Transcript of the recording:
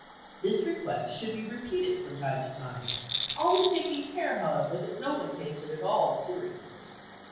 This request should be repeated from time to time, always taking care, however, that no one takes it at all seriously.